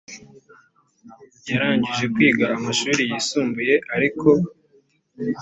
yarangije kwiga amashuri yisumbuye ariko